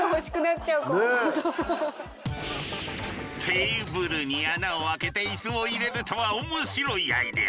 テーブルに穴を開けてイスを入れるとは面白いアイデアじゃ。